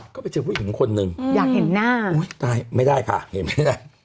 ก็ไปเจอผู้หญิงคนหนึ่งอุ๊ยตายไม่ได้ค่ะเห็นไม่ได้อยากเห็นหน้า